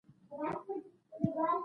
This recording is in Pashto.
خوښي خپره شوه.